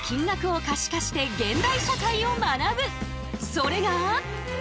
それが。